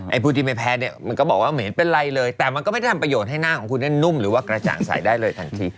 ผู้ที่ไม่แพ้เนี่ยมันก็บอกว่าไม่เห็นเป็นไรเลยแต่มันก็ไม่ได้ทำประโยชน์ให้หน้าของคุณเนี่ยนุ่มหรือว่ากระจ่างใสได้เลยทันที